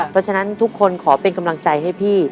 เพราะฉะนั้นทุกคนขอเป็นกำลังใจให้พี่